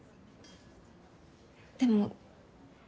でも。